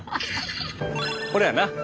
これやな。